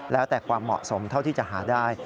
แล้วแต่ความเหมาะสมเท่าที่จะหาได้